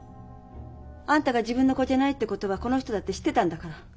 あんたが自分の子じゃないって事はこの人だって知ってたんだから。